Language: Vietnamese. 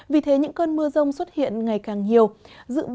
vì thế những cơn mưa rông xuất hiện ngày càng nhiều